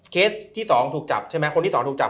เคสที่๒ถูกจับใช่มั้ยคนที่๒ถูกจับ